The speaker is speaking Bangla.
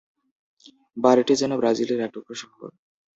বাড়িটি যেন ব্রাজিলের এক টুকরো শহর।